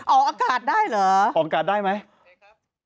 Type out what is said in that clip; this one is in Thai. ออกอากาศได้เหรอออกอากาศได้ไหมออกอากาศได้